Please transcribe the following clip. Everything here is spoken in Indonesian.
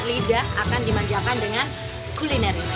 lidah akan dimanjakan dengan kuliner ini